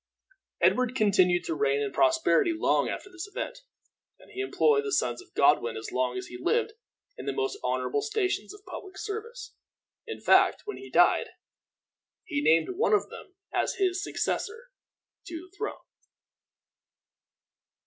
Edward continued to reign in prosperity long after this event, and he employed the sons of Godwin as long as he lived in the most honorable stations of public service. In fact, when he died, he named one of them as his successor to the throne.